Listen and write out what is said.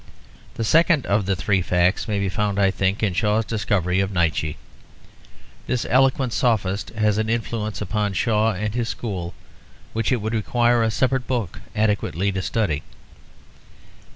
The second of the three facts may be found, I think, in Shaw's discovery of Nietzsche. This eloquent sophist has an influence upon Shaw and his school which it would require a separate book adequately to study.